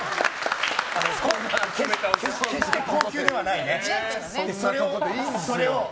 決して高級ではないやつがね。